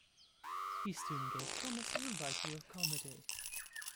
He soon gave promise as a writer of comedy.